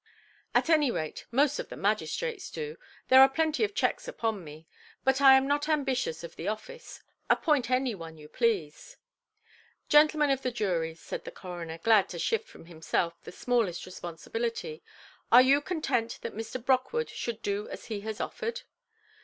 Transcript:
"At any rate, most of the magistrates do. There are plenty of checks upon me. But I am not ambitious of the office. Appoint any one you please". "Gentlemen of the jury", said the coroner, glad to shift from himself the smallest responsibility, "are you content that Mr. Brockwood should do as he has offered"?